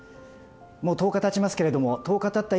もう１０日たちますけれども１０日たった